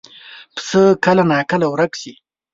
پسه کله ناکله ورک شي.